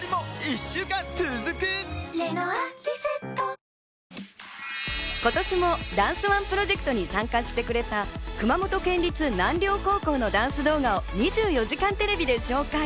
そして春菜さんも今年もダンスＯＮＥプロジェクトに参加してくれた熊本県立南稜高校のダンス動画を『２４時間テレビ』で紹介。